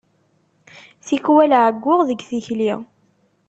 Tikwal εeyyuɣ deg tikli.